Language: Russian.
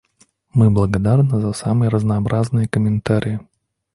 Мы благодарны за самые разнообразные комментарии.